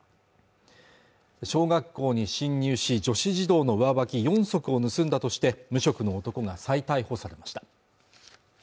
小学校に侵入し女子児童の上履き４足を盗んだとして無職の男が再逮捕されました